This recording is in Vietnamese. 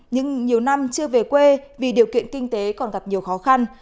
nhưng nhiều năm chưa về quê vì điều kiện kinh tế còn gặp nhiều khó khăn